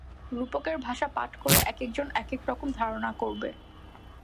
রূপকের ভাষা পাঠ করে একেকজন একেক রকম ধারণা করবে।